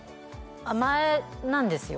甘えなんですよ